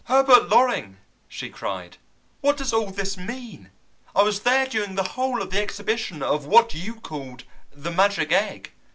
"Herbert Loring," she cried, "what does all this mean? I was there during the whole of the exhibition of what you called the magic egg.